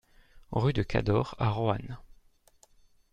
Rue de Cadore à Roanne